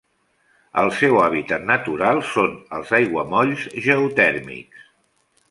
El seu hàbitat natural són els aiguamolls geotèrmics.